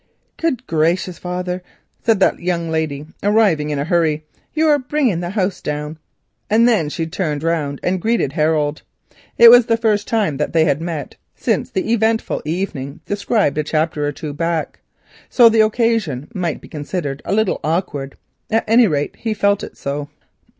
"Good gracious, father," said that young lady, arriving in a hurry, "you are bringing the house down," and then she turned round and greeted Harold. It was the first time they had met since the eventful evening described a chapter or two back, so the occasion might be considered a little awkward; at any rate he felt it so.